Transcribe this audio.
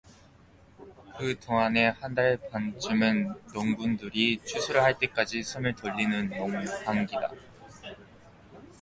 그 동안의 한 달 반쯤은 농군들이 추수를 할 때까지 숨을 돌리는 농한기다.